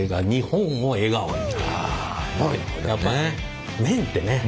やっぱ麺ってね